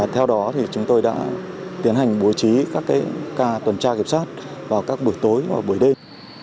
theo đó chúng tôi đã tiến hành bố trí các ca tuần tra kiểm soát vào các buổi tối và buổi đêm